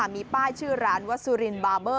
มีป้ายชื่อร้านวัสสุรินบาร์เบอร์